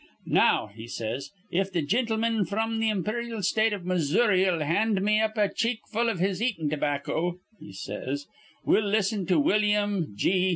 'Now,' he says, 'if th' gintleman fr'm th' imperyal State of Mizzoury'll hand me up a cheek full iv his eatin' tobacco,' he says, 'we'll listen to Willyum G.